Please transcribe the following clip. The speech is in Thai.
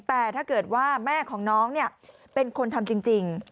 แต่ถ้าเกิดว่าแม่ของน้องเป็นคนทำจริง